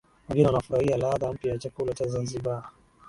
Wageni wanafurahia ladha mpya ya chakula cha Zanzibar